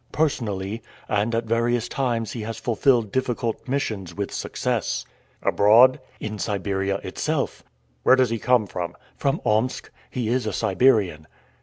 "Personally, and at various times he has fulfilled difficult missions with success." "Abroad?" "In Siberia itself." "Where does he come from?" "From Omsk. He is a Siberian."